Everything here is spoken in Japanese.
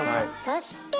そして！